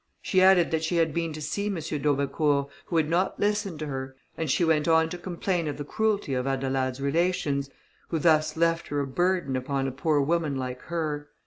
She added, that she had been to see M. d'Aubecourt, who would not listen to her, and she went on to complain of the cruelty of Adelaide's relations, who thus left her a burden upon a poor woman like her.